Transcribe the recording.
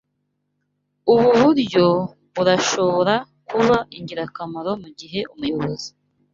Ubu buryo burashobora kuba ingirakamaro mugihe umuyobozi